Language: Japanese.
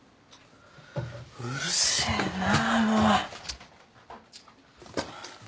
うるせえなもう。